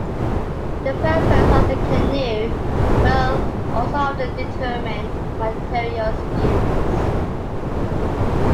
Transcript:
The purpose of the canoe will also often determine the materials used.